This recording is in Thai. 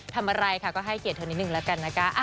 ทำอะไรค่ะก็ให้เกียรติเธอนิดนึงแล้วกันนะคะ